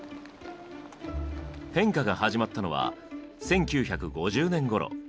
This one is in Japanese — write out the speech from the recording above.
変化が始まったのは１９５０年ごろ。